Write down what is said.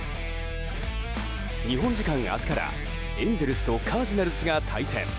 日本時間明日からエンゼルスとカージナルスが対戦。